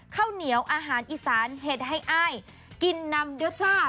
ข้าวเหนียวอาหารอีสานเห็ดให้อ้ายกินนำด้วยจ้า